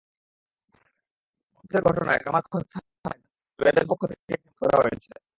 বন্দুকযুদ্ধের ঘটনায় কামারখন্দ থানায় র্যাবের পক্ষ থেকে একটি মামলা করা হয়েছে।